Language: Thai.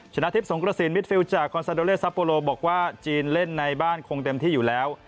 ชนะทิพย์สงกระสินมิดฟิลจากคอนซาโดเลซัปโปโลบอกว่าจีนเล่นในบ้านคงเต็มที่อยู่แล้ว